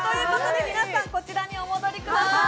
皆さん、こちらにお戻りください。